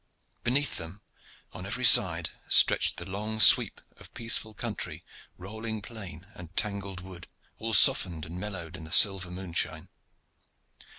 Beneath them on every side stretched the long sweep of peaceful country, rolling plain, and tangled wood, all softened and mellowed in the silver moonshine.